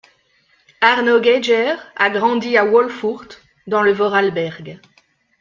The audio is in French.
Arno Geiger a grandi à Wolfurt, dans le Vorarlberg.